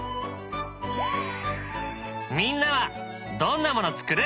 みんなはどんなもの作る？